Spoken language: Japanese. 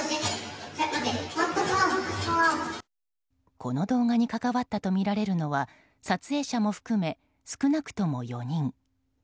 この動画に関わったとみられるのは撮影者も含め少なくとも４人。